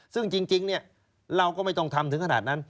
ซึ่งจริงเราก็ไม่ต้องทำถึงขนาดนั้น